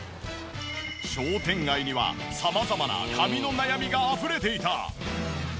商店街には様々な髪の悩みがあふれていた。